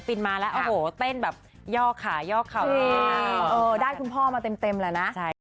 พูดตลอดนะเอาอาดันไปเก็บพี่